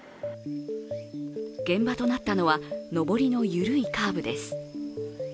現場となったのは上りの緩いカーブです。